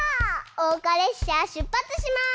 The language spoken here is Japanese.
おうかれっしゃしゅっぱつします！